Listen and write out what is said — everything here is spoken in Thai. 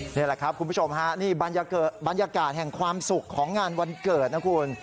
นี่แหละครับคุณผู้ชมฮะนี่บรรยากาศแห่งความสุขของงานวันเกิดนะคุณ